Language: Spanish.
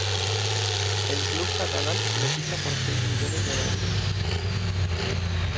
El club catalán le ficha por seis millones de euros.